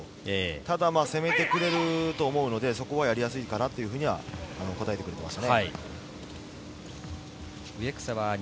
ただ攻めてくれると思うので、そこはやりやすいかなと答えてくれていました。